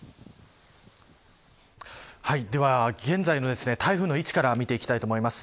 では、現在の台風の位置から見ていきたいと思います。